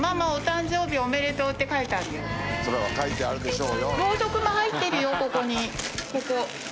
それは書いてあるでしょうよ。